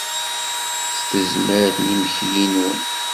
S tezmert n yimekli-nwen!